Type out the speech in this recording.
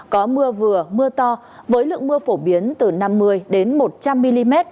có mưa vừa mưa to với lượng mưa phổ biến từ năm mươi đến năm mươi km